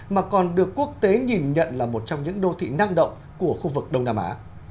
mà còn được quốc tế nhìn nhận là một trong những đô thị năng động của khu vực đông nam á